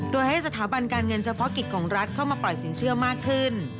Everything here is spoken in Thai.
โดยให้สถาบันการเงินเฉพาะกิจของรัฐเข้ามาปล่อยสินเชื่อมากขึ้น